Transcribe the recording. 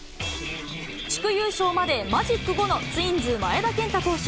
地区優勝までマジック５の、ツインズ、前田健太投手。